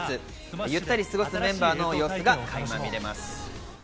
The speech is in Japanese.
ゆったり過ごすメンバーの様子がかいま見れます。